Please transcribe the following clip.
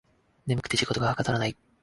眠くて仕事がはかどらない